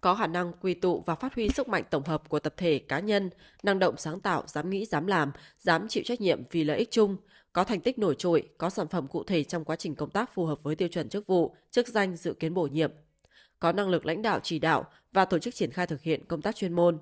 có khả năng quy tụ và phát huy sức mạnh tổng hợp của tập thể cá nhân năng động sáng tạo dám nghĩ dám làm dám chịu trách nhiệm vì lợi ích chung có thành tích nổi trội có sản phẩm cụ thể trong quá trình công tác phù hợp với tiêu chuẩn chức vụ chức danh dự kiến bổ nhiệm có năng lực lãnh đạo chỉ đạo và tổ chức triển khai thực hiện công tác chuyên môn